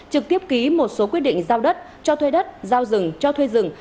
trực tiếp ký một số quyết định giao đất cho thuê đất giao rừng cho thuê rừng